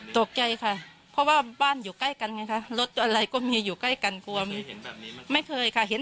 ตกใจค่ะเพราะว่าบ้านอยู่ใกล้กันไงคะรถอะไรก็มีอยู่ใกล้กันกลัวไม่เคยค่ะเห็น